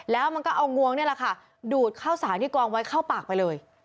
แล้วมันก็เอางวงนี่แหละค่ะดูดข้าวสารที่กองไว้เข้าปากไปเลย